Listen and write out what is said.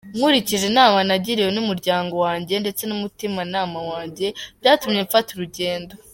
Nkurikije inama nagiriwe n’umuryango wanjye ndetse n’umutima nama wanjye, byatumye nfata urugendo